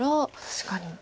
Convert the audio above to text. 確かに。